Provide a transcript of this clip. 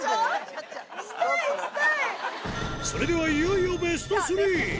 それではいよいよベスト３。